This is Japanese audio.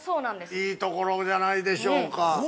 いいところじゃないでしょうか。